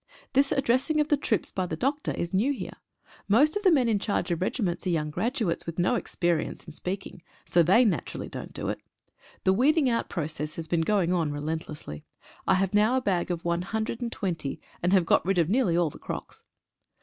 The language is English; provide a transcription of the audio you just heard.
This addressing of the troops by the doctor is new here — most of the men in charge of regiments are young graduates with no experience in speaking, so they naturally don't do it. The weeding out process has been going on relentlessly. I have now a bag of one hundred and twenty, and have got rid of nearly all the crocks.